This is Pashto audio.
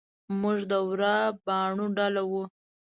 موږ د ورا باڼو ډله وو.